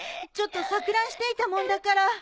ちょっと錯乱していたもんだから。